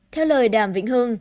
theo lời đàm vĩnh hương